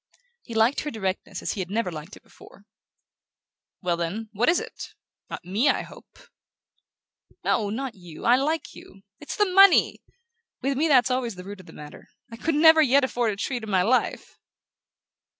He liked her directness as he had never liked it before. "Well, then, what is it? Not ME, I hope?" "No, not you: I like you. It's the money! With me that's always the root of the matter. I could never yet afford a treat in my life!"